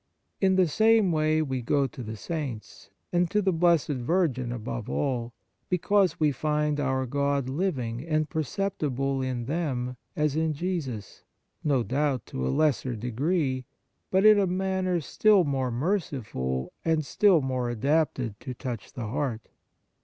In the same way we go to the Saints, and to the Blessed Virgin above all, because we find our 54 Devotions God living and perceptible in them as in Jesus, no doubt to a lesser degree, but in a manner still more merciful and still more adapted to touch the heart.